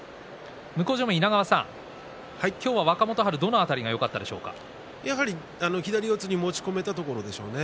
向正面の稲川さん、今日は若元春やはり左四つに持ち込めたところでしょうね。